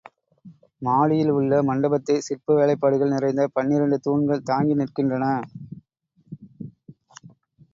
மாடியில் உள்ள மண்டபத்தைச் சிற்ப வேலைப்பாடுகள் நிறைந்த பன்னிரெண்டு தூண்கள் தாங்கி நிற்கின்றன.